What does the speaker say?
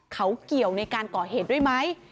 เขาเกี่ยวในการก่อเหตุด้วยไหม